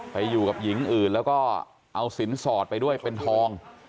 ไปอยู่กับหญิงอื่นแล้วก็เอาสินสอดไปด้วยเป็นทอง